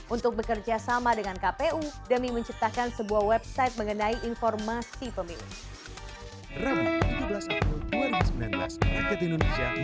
untuk bekerja sama dengan kpu demi menciptakan sebuah website mengenai informasi pemilu